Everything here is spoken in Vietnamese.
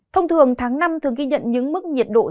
thông thường tháng năm thường ghi nhận những mức nhiệt độ rất đẹp